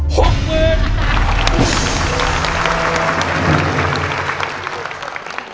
๖หมื่น